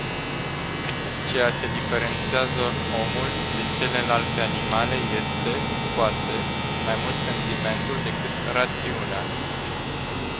Ceea ce diferențiază omul de celelalte animale este, poate, mai mult sentimentul decât rațiunea.